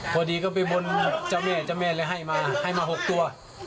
พอดีก็ไปบนเจ้าแม่เจ้าแม่เลยให้มาให้มา๖ตัว